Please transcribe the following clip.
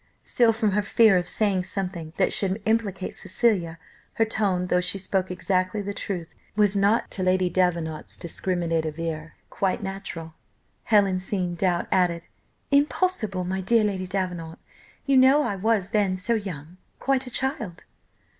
Still from her fear of saying something that should implicate Cecilia, her tone, though she spoke exactly the truth, was not to Lady Davenant's discriminative ear quite natural Helen seeing doubt, added, "Impossible, my dear Lady Davenant! you know I was then so young, quite a child!"